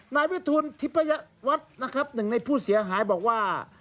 นายวิทูลทิพยวัฒน์นะครับหนึ่งในผู้เสียหายบอกว่า